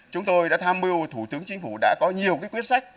chúng tôi đã tham mưu thủ tướng chính phủ đã có nhiều quyết sách